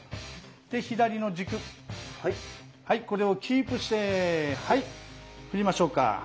左の軸これをキープしてはい振りましょうか。